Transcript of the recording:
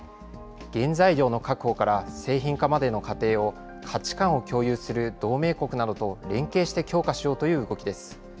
原材料の確保から製品化までの過程を、価値観を共有する同盟国などと連携して強化しようという動きです。